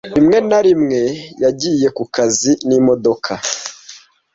Rimwe na rimwe yagiye ku kazi n'imodoka.